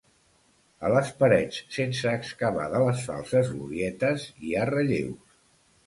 A les parets sense excavar de les falses glorietes hi ha relleus.